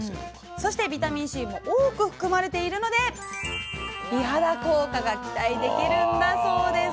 そしてビタミンＣも多く含まれているので美肌効果が期待できるんだそうです。